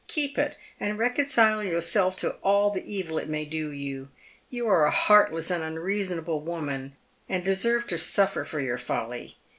" Keep it, and reconcile yourself to all the evil it may do you. You are a heartless and unreasonable woman, and deserve to suffer for your folly.